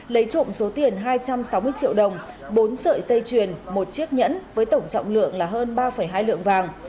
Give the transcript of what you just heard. lấy trộm số tiền hai trăm sáu mươi triệu đồng bốn sợi dây chuyền một chiếc nhẫn với tổng trọng lượng là hơn ba hai lượng vàng